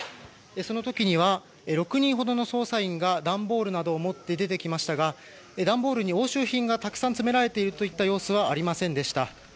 その時には６人ほどの捜査員が段ボールなどを持って出てきましたが段ボールに押収品がたくさん詰められているといった様子はありませんでした。